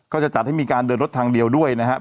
ก็จะจัดให้มีการเดินรถทางเดียวด้วยนะครับ